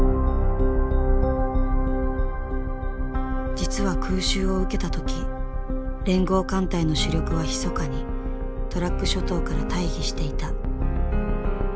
実は空襲を受けた時連合艦隊の主力はひそかにトラック諸島から退避していた。